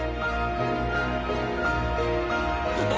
ハハハハ！